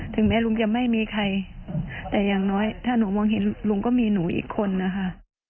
แม้ลุงจะไม่มีใครแต่อย่างน้อยถ้าหนูมองเห็นลุงก็มีหนูอีกคนนะคะ